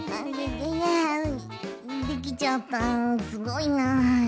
できちゃったすごいなあ。